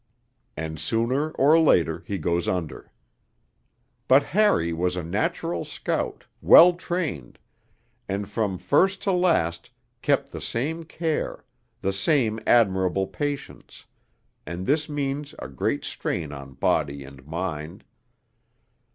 And sooner or later he goes under. But Harry was a natural scout, well trained, and from first to last kept the same care, the same admirable patience, and this means a great strain on body and mind....